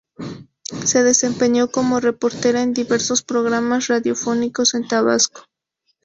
Se desempeñó como reportera en diversos programas radiofónicos en Tabasco.